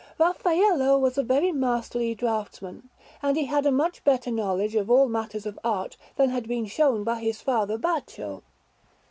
Raffaello was a very masterly draughtsman, and he had a much better knowledge of all matters of art than had been shown by his father Baccio.